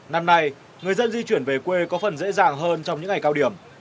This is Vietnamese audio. năm nay người dân di chuyển về quê có phần dễ dàng hơn trong những ngày cao điểm